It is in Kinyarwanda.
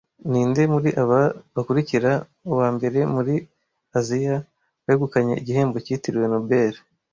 Ninde muri aba bakurikira uwambere muri Aziya wegukanye igihembo cyitiriwe Nobel